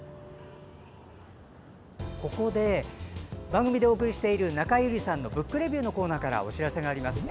ここで番組でお送りしている中江有里さんの「ブックレビュー」のコーナーからお知らせがあります。